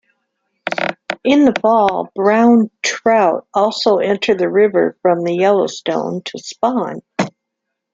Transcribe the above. In the fall, Brown Trout also enter the river from the Yellowstone to spawn.